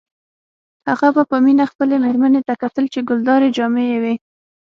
هغه به په مینه خپلې میرمنې ته کتل چې ګلدارې جامې یې وې